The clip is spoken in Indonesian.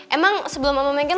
emang sebelum aku mengenal